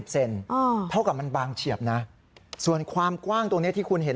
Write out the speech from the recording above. เซนเท่ากับมันบางเฉียบนะส่วนความกว้างตรงนี้ที่คุณเห็น